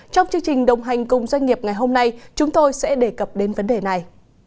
trong chương trình đồng hành cùng doanh nghiệp ngày hôm nay chúng tôi sẽ đề cập đến vấn đề này